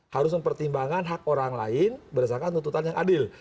harus mempertimbangkan hak orang lain berdasarkan tuntutan yang adil